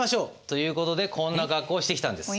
という事でこんな格好をしてきたんです。